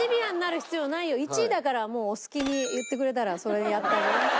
１位だからもうお好きに言ってくれたらそれでやってあげるよ。